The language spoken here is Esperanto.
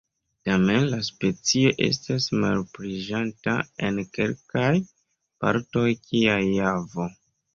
Tamen la specio estas malpliiĝanta en kelkaj partoj kiaj Javo.